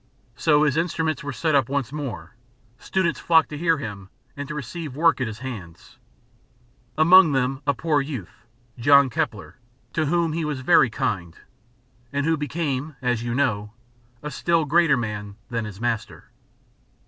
So his instruments were set up once more, students flocked to hear him and to receive work at his hands among them a poor youth, John Kepler, to whom he was very kind, and who became, as you know, a still greater man than his master.